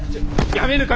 やめぬか！